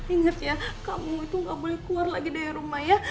ingat ya kamu itu nggak boleh keluar lagi dari rumah ya